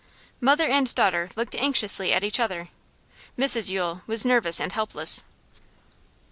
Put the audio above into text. Mother and daughter looked anxiously at each other. Mrs Yule was nervous and helpless.